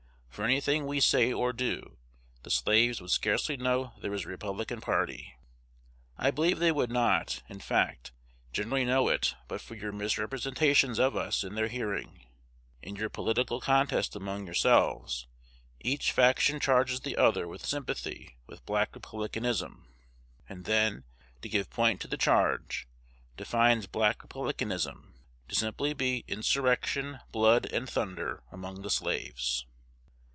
For any thing we say or do, the slaves would scarcely know there is a Republican party. I believe they would not, in fact, generally know it but for your misrepresentations of us in their hearing. In your political contest among yourselves, each faction charges the other with sympathy with Black Republicanism; and then, to give point to the charge, defines Black Republicanism to simply be insurrection, blood, and thunder among the slaves.